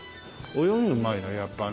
泳ぎうまいなやっぱりな。